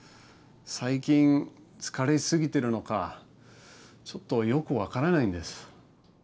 最近疲れ過ぎてるのかちょっとよく分からないんです。